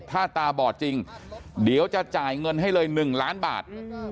ถ้าตาบอดจริงเดี๋ยวจะจ่ายเงินให้เลย๑ล้านบาท